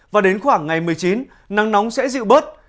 và đến khoảng ngày một mươi chín nắng nóng sẽ dịu bớt